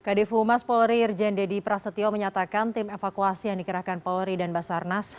kadif humas polri irjen deddy prasetyo menyatakan tim evakuasi yang dikerahkan polri dan basarnas